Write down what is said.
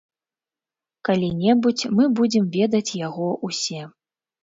Калі небудзь мы будзем ведаць яго ўсе.